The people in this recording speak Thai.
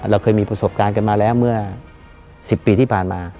เราเคยมีประสบการณ์กันมาแล้วเมื่อ๑๐ปีที่ผ่านมา